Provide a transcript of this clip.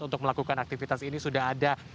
untuk melakukan aktivitas ini sudah ada